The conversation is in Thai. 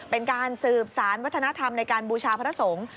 เป็นการสืบสารวัฒนธรรมในการบูชาพระสงฆ์